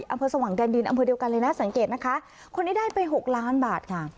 อำเภอสว่างแดนดินอำเภอเดียวกันเลยนะสังเกตนะคะคนนี้ได้ไปหกล้านบาทค่ะ